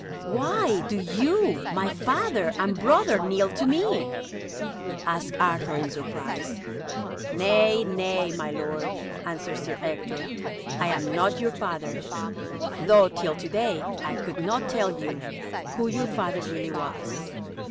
"Why do you, my father and brother, kneel to me?" asked Arthur in surprise. "Nay, nay, my lord," answered Sir Ector, "I am not your father, though till to day I could not tell you who your father really was.